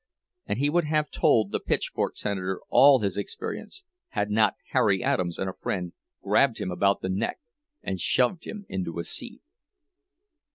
And he would have told the "pitchfork senator" all his experiences, had not Harry Adams and a friend grabbed him about the neck and shoved him into a seat.